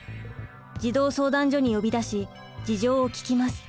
児童相談所に呼び出し事情を聴きます。